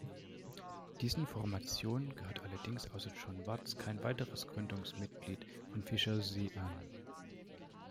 Diesen Formationen gehört allerdings außer John Watts kein weiteres Gründungsmitglied von Fischer-Z an.